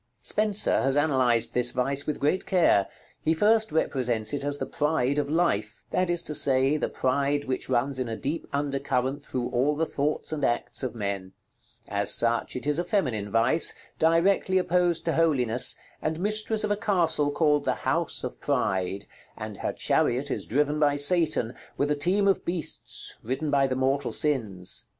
Spenser has analyzed this vice with great care. He first represents it as the Pride of life; that is to say, the pride which runs in a deep under current through all the thoughts and acts of men. As such, it is a feminine vice, directly opposed to Holiness, and mistress of a castle called the House of Pryde, and her chariot is driven by Satan, with a team of beasts, ridden by the mortal sins.